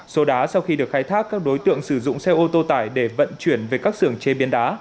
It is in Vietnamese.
số đá sau khi được khai thác các đối tượng sử dụng xe ô tô tải để vận chuyển về các xưởng chế biến đá